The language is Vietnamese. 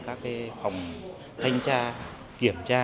các phòng thanh tra kiểm tra